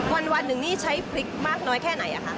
วันหนึ่งนี่ใช้พริกมากน้อยแค่ไหนอะคะ